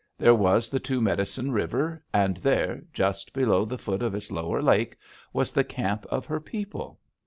There was the Two Medicine River, and there, just below the foot of its lower lake, was the camp of her people!